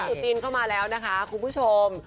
จุดจีนเข้ามาแล้วนะคะคุณผู้ชม